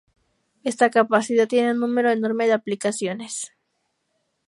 Esta capacidad tiene un número enorme de aplicaciones.